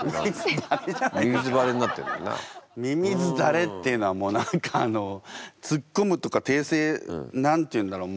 みみずだれっていうのはもう何かあの突っ込むとか訂正何て言うんだろう